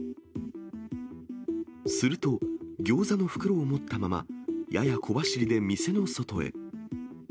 すると、ギョーザの袋を持ったまま、やや小走りで店の外へ。